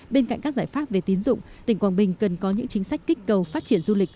bên cạnh các giải pháp về tín dụng tỉnh quảng bình cần có những chính sách kích cầu phát triển du lịch